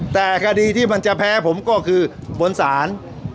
แต่คดีที่มันจะแพ้ผมก็คือบนศาล